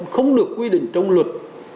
không được quy định trong luật